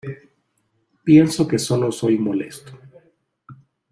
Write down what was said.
Pienso que solo soy molesto.